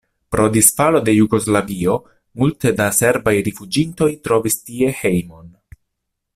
Pro disfalo de Jugoslavio multe da serbaj rifuĝintoj trovis tie hejmon.